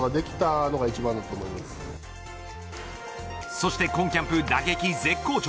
そして今キャンプ打撃絶好調